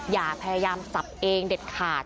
อย่าพยายามสับเองเด็ดขาด